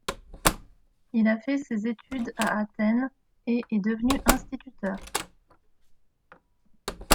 Il a fait ses études à Athènes et est devenu instituteur.